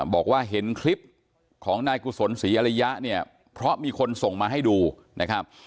บอกว่าเห็นคลิปของนายกุศลศรีอริยะเนี่ยเพราะมีคนส่งมาให้ดูนะครับ